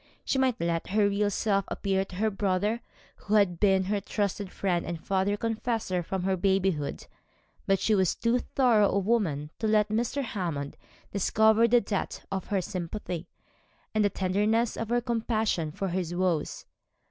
She might let her real self appear to her brother, who had been her trusted friend and father confessor from her babyhood; but she was too thorough a woman to let Mr. Hammond discover the depth of her sympathy, the tenderness of her compassion for his woes.